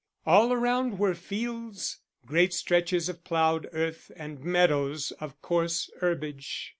All around were fields, great stretches of ploughed earth and meadows of coarse herbage.